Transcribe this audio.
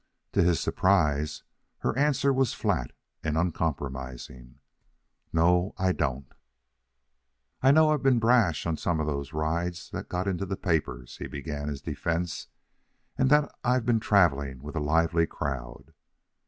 To his surprise, her answer was flat and uncompromising. "No; I don't." "I know I've been brash on some of those rides that got into the papers," he began his defense, "and that I've been travelling with a lively crowd."